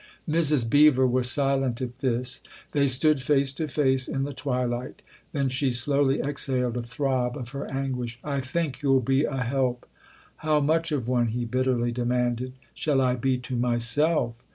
Mrs. Beever was silent at this : they stood face to face in the twilight. Then she slowly exhaled a throb of her anguish. " I think you'll be a help." "How much of one," he bitterly demanded, "shall I be to myself?"